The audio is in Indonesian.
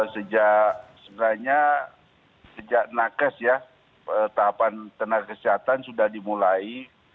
sejak sebenarnya sejak nakes ya tahapan tenaga kesehatan sudah dimulai